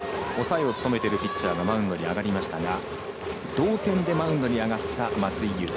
どちらも９回にクローザーが抑えを務めているピッチャーがマウンドに上がりましたが同点でマウンドに上がった松井裕樹。